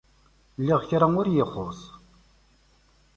Lliɣ kra ur y-ixuṣṣ.